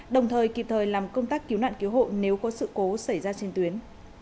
bộ nếu có sự cố xảy ra trên tuyến